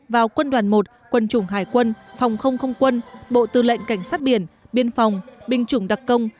vào quân đoàn một quân chủng hải quân phòng không không quân bộ tư lệnh cảnh sát biển biên phòng binh chủng đặc công